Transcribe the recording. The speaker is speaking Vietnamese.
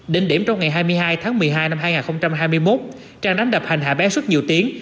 đỉnh điểm trong ngày hai mươi hai tháng một mươi hai năm hai nghìn hai mươi một trang đánh đập hành hạ bé suốt nhiều tiếng